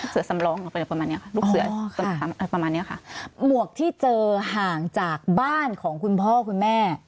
เสือสำรองออกไปประมาณเนี้ยค่ะลูกเสืออะไรประมาณเนี้ยค่ะหมวกที่เจอห่างจากบ้านของคุณพ่อคุณแม่